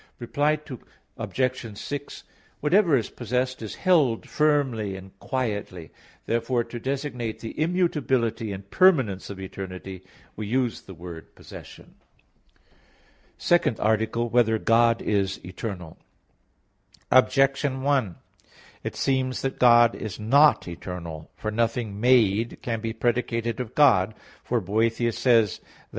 Reply Obj. 6: Whatever is possessed, is held firmly and quietly; therefore to designate the immutability and permanence of eternity, we use the word "possession." _______________________ SECOND ARTICLE [I, Q. 10, Art. 2] Whether God is Eternal? Objection 1: It seems that God is not eternal. For nothing made can be predicated of God; for Boethius says (De Trin.